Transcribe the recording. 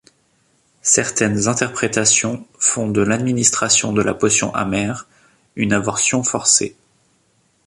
Certaines interprétations font de l'administration de la potion amère une avortion forcée.